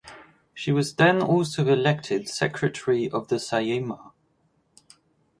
She was then also elected Secretary of the Saeima.